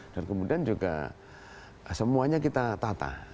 dan kemudian juga semuanya kita tata